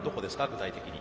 具体的に。